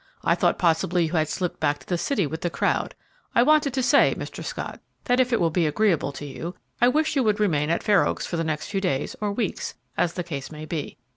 I thought possibly you had slipped back to the city with the crowd. I wanted to say, Mr. Scott, that, if it will be agreeable to you, I wish you would remain at Fair Oaks for the next few days, or weeks, as the case may be.